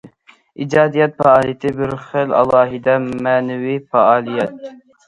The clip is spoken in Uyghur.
ئىجادىيەت پائالىيىتى بىر خىل ئالاھىدە مەنىۋى پائالىيەت.